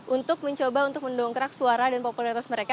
untuk mencoba untuk mendongkrak suara dan popularitas mereka